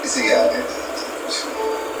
د جانان دي زکندن دی د سلګیو جنازې دي `